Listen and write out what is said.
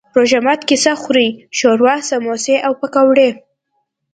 روژه ماتی کی څه خورئ؟ شوروا، سموسي او پکوړي